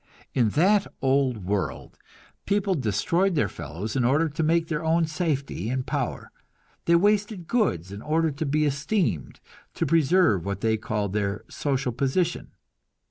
In that old world people destroyed their fellows in order to make their own safety and power; they wasted goods in order to be esteemed, to preserve what they called their "social position."